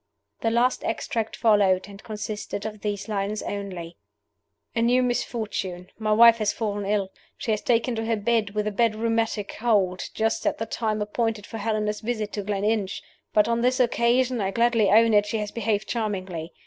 The last extract followed, and consisted of these lines only: "A new misfortune! My wife has fallen ill. She has taken to her bed with a bad rheumatic cold, just at the time appointed for Helena's visit to Gleninch. But on this occasion (I gladly own it!) she has behaved charmingly.